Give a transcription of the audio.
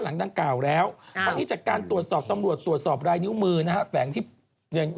ฉันน่ั้งรีวิวอาหารจริงเธอ